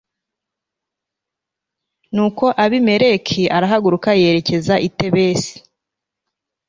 nuko abimeleki arahaguruka yerekeza i tebesi